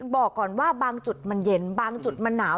บอกก่อนว่าบางจุดมันเย็นบางจุดมันหนาว